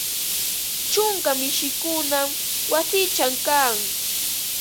Ćhunka mishikunam wasiićhaw kan